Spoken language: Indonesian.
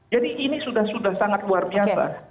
jadi ini sudah sudah sangat luar biasa